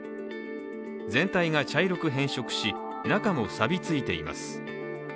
全体が茶色く変色し、中もさびついています。